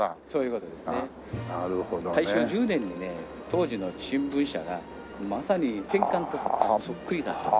大正１０年にね当時の新聞社がまさに戦艦とそっくりだと。